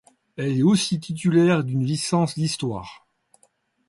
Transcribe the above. Elle est aussi titulaire d'une licence d'histoire.